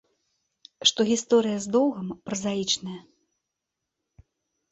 Што гісторыя з доўгам празаічная.